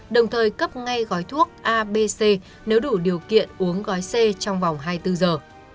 đồng thời cấp ngay gói thuốc abc nếu đủ điều kiện uống gói c trong vòng hai mươi bốn giờ